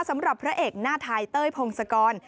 สำหรับพระเอกหน้าไทยเต้ยพงศกร